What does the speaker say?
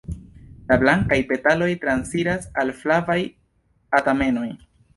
La blankaj petaloj transiras al flavaj stamenoj.